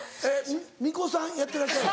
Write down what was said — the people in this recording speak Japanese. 巫女さんやってらっしゃる？